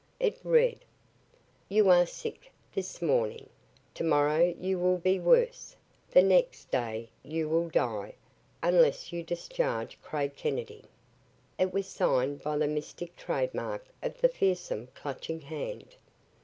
It read: "YOU ARE SICK THIS MORNING. TOMORROW YOU WILL BE WORSE. THE NEXT DAY YOU WILL DIE UNLESS YOU DISCHARGE CRAIG KENNEDY." It was signed by the mystic trademark of the fearsome Clutching Hand!